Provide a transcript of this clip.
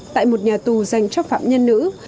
tại một nhà tù dành cho phạm nhân nữ